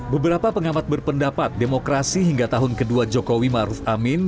beberapa pengamat berpendapat demokrasi hingga tahun kedua jokowi maruf amin